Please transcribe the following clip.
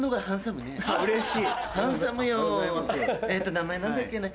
名前何だっけね？